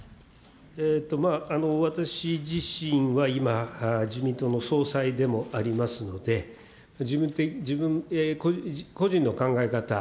私自身は今、自民党の総裁でもありますので、個人の考え方